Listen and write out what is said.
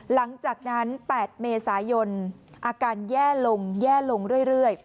หลังจากนั้น๘เมษายนอาการแย่ลงแย่ลงเรื่อย